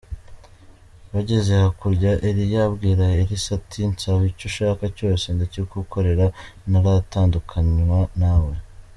Bageze hakurya Eliya abwira Elisa ati "Nsaba icyo ushaka cyose, ndakigukorera ntaratandukanywa nawe.